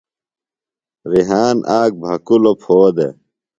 ریحان آک بھکُوۡلوۡ پھو دےۡ۔